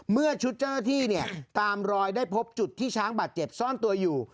เมื่อชุดเจ้าหน้าที่เนี่ยตามรอยได้พบจุดที่ช้างบาดเจ็บซ่อนตัวอยู่